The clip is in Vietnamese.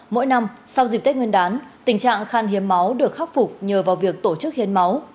mỗi năm sau dịp tết nguyên đán tình trạng khan hiếm máu được khắc phục nhờ vào việc tổ chức hiến máu